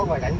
ai kiểm cho